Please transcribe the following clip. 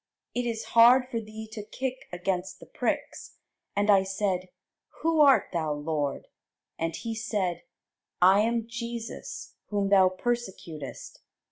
it is hard for thee to kick against the pricks. And I said, Who art thou, Lord? And he said, I am Jesus whom thou persecutest.